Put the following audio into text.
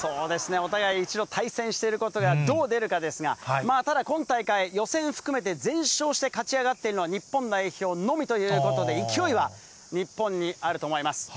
お互い一度対戦していることが、どう出るかですが、ただ、今大会、予選含めて全勝して勝ち上がっているのは日本代表のみということで、勢いは日本にあると思います。